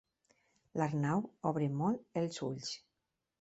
L'Arnau obre molt els ulls.